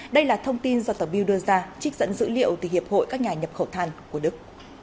đây là thông tin do tờ bill đưa ra trích dẫn dữ liệu từ hiệp hội các nhà nhập khẩu than của đức